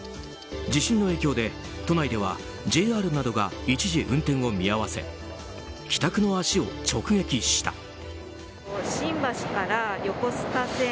地震の影響で都内ではＪＲなどが一時運転を見合わせ帰宅の足を直撃した。